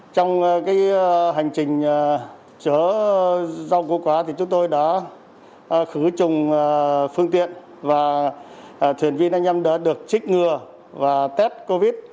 trong hành trình chứa rau củ quả chúng tôi đã khử trùng phương tiện và thuyền viên anh em đã được trích ngừa và test covid